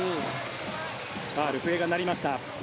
ファウル、笛が鳴りました。